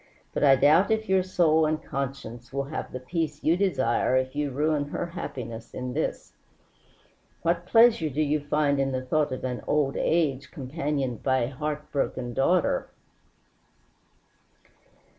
But I doubt if your soul and conscience will have the peace you desire if you ruin her happiness in this. What pleasure do you find in the thought of an old age companioned by a heart broken daughter?"